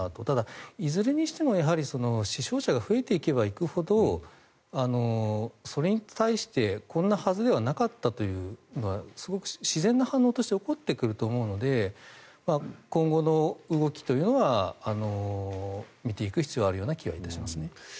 ただ、いずれにしても死傷者が増えていけばいくほどそれに対してこんなはずではなかったというのがすごく自然な反応として起こってくると思うので今後の動きというのは見ていく必要がある気がします。